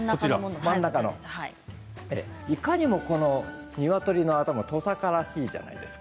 真ん中いかにも、にわとりの頭とさからしいじゃないですか。